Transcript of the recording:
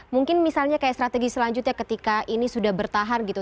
mungkin misalnya kayak strategi selanjutnya ketika ini sudah bertahan gitu